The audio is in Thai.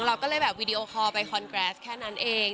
เราก็เลยแบบวีดีโอคอลไปคอนแกรสแค่นั้นเอง